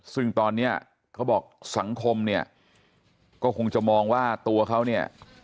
ซึ่งตอนนี้เขาบอกสังคมเนี่ยก็คงจะมองว่าตัวเขาเนี่ย